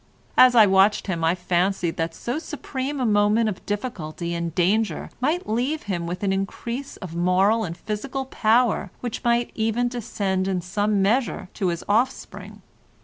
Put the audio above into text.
As I watched him I fancied that so supreme a moment of difficulty and danger might leave him with an increase of moral and physical power which might even descend in some measure to his offspring.